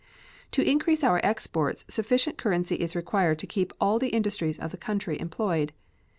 To increase our exports sufficient currency is required to keep all the industries of the country employed.